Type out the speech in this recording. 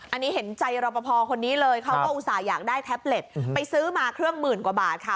อันนี้เห็นใจรอปภคนนี้เลยเขาก็อุตส่าห์อยากได้แท็บเล็ตไปซื้อมาเครื่องหมื่นกว่าบาทค่ะ